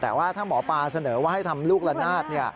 แต่ว่าถ้าหมอปลาเสนอว่าให้ทำลูกละนาด